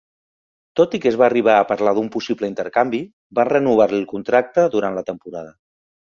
Tot i que es va arribar a parlar d'un possible intercanvi, van renovar-li el contracte durant la temporada.